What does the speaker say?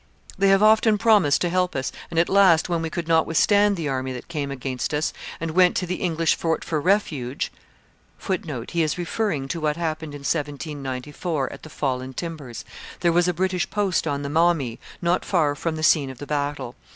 They have often promised to help us, and at last when we could not withstand the army that came against us, and went to the English fort for refuge, [Footnote: He is referring to what happened in 1794 at the Fallen Timbers. There was a British post on the Maumee not far from the scene of the battle.